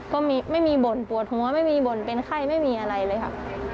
ก็ไม่มีบ่นปวดหัวไม่มีบ่นเป็นไข้ไม่มีอะไรเลยค่ะ